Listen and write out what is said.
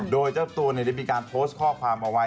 โดยเจ้าตัวได้มีการโพสต์ข้อความเอาไว้